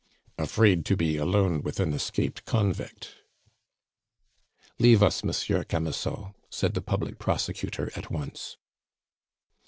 "Afraid to be alone with an escaped convict!" "Leave us, Monsieur Camusot," said the public prosecutor at once.